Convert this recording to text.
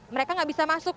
mereka gak bisa masuk